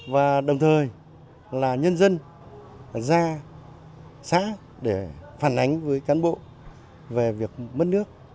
và đồng thời là nhân dân ra xã để phản ánh với cán bộ về việc mất nước